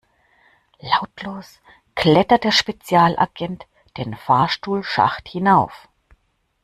Lautlos klettert der Spezialagent den Fahrstuhlschacht hinauf.